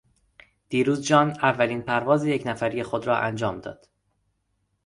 دیروز جان اولین پرواز یکنفری خود را انجام داد.